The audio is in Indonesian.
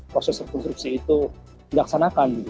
rekonstruksi itu tidak akan dilaksanakan